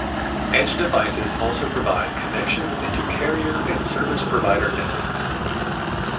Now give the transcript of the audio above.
Edge devices also provide connections into carrier and service provider networks.